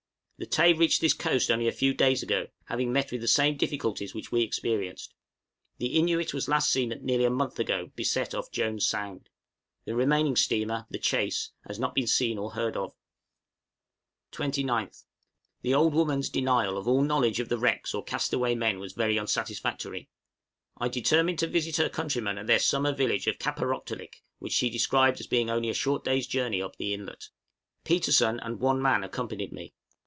The 'Tay' reached this coast only a few days ago, having met with the same difficulties which we experienced. The 'Innuit' was last seen nearly a month ago beset off Jones' Sound. The remaining steamer, the 'Chase,' has not been seen or heard of. 29th. The old woman's denial of all knowledge of the wrecks or cast away men was very unsatisfactory. I determined to visit her countrymen at their summer village of Kaparōktolik, which she described as being only a short day's journey up the inlet. {EXAMINE NATIVE CÂCHES.} Petersen and one man accompanied me.